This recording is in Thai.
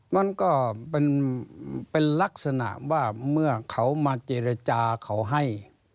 มันก็เป็นลักษณะว่าเมื่อเขามาเจรจาเขาให้